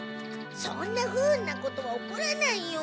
そんなふうんなことは起こらないよ。